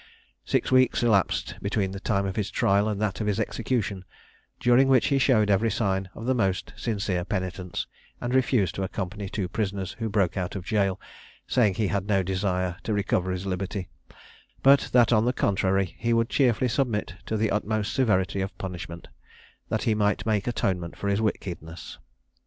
Six weeks elapsed between the time of his trial and that of his execution, during which he showed every sign of the most sincere penitence, and refused to accompany two prisoners who broke out of jail, saying he had no desire to recover his liberty, but that on the contrary he would cheerfully submit to the utmost severity of punishment, that he might make atonement for his wickedness.